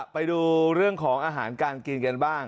ไปดูเรื่องของอาหารการกิน